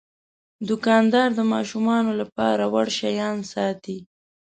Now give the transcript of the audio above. دوکاندار د ماشومانو لپاره وړ شیان ساتي.